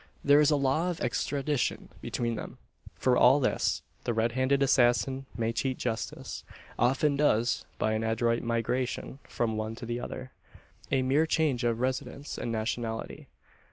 There is a law of extradition between them. For all this the red handed assassin may cheat justice often does by an adroit migration from one to the other a mere change of residence and nationality.